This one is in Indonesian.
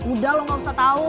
udah lo nggak usah tahu